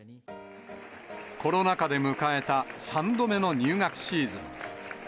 コロナ禍で迎えた３度目の入学シーズン。